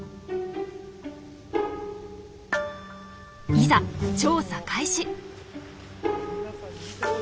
いざ調査開始！